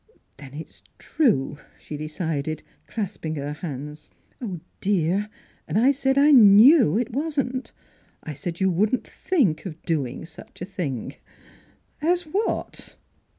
" Then it's true," she decided, clasping her hands. " Oh, dear! and I said I knew it wasn't. I said you wouldn't think of doing such a thing." "As what?"